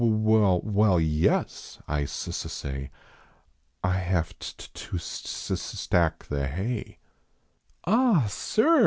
W w well, yes," I s s say, " I have t t to s s stack the hay." Ah. sir